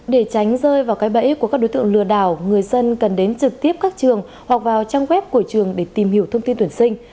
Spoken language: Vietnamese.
để tránh rơi vào cái bẫy của các đối tượng lừa đảo người dân cần đến trực tiếp các trường hoặc vào trang web của trường để tìm hiểu thông tin tuyển sinh